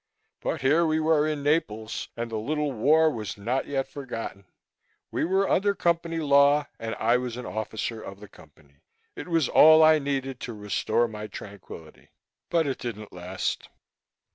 But here we were in Naples, and the little war was not yet forgotten; we were under Company law, and I was an officer of the Company. It was all I needed to restore my tranquility. But it didn't last.